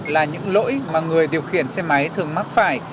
là những lỗi mà người điều khiển xe máy thường mắc phải